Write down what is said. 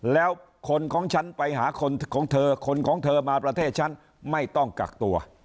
แล้วคนของฉันไปหาคนของเธอคนของเธอมาประเทศฉันไม่ต้องกักตัว